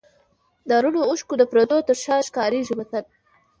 د رڼو اوښکو د پردو تر شا ښکارېږي وطن